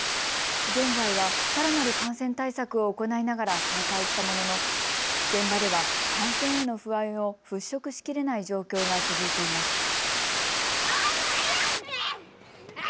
現在はさらなる感染対策を行いながら再開したものの現場では感染への不安を払拭しきれない状況が続いています。